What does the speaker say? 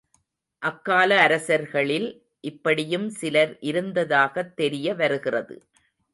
அக்கால அரசர்களில் இப்படியும் சிலர் இருந்ததாகத் தெரியவருகிறது.